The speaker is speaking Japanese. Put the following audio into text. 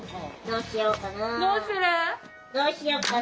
どうしようかな。